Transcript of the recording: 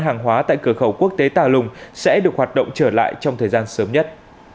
hàng hóa tại cửa khẩu quốc tế tà lùng sẽ được hoạt động trở lại trong thời gian sớm nhất